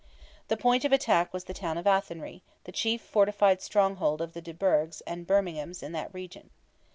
The point of attack was the town of Athenry, the chief fortified stronghold of the de Burghs and Berminghams in that region.